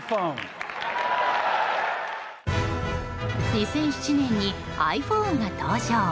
２００７年にｉＰｈｏｎｅが登場。